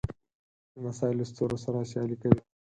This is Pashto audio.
لمسی له ستوري سره سیالي کوي.